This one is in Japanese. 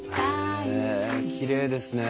へえきれいですね。